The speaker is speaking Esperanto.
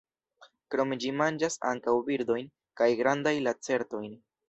Krome ĝi manĝas ankaŭ birdojn kaj grandajn lacertojn.